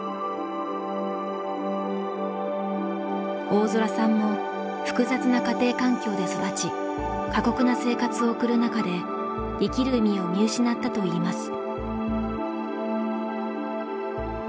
大空さんも複雑な家庭環境で育ち過酷な生活を送る中で生きる意味を見失ったといいます。